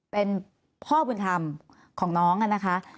เป็นพ่อบุญธรรมของน้องนะคะ